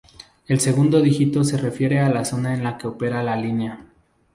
El segundo dígito se refiere a la zona en la que opera la línea.